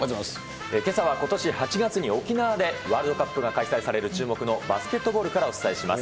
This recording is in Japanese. けさはことし８月に沖縄でワールドカップが開催される注目のバスケットボールからお伝えします。